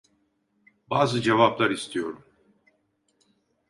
Bazı cevaplar istiyorum.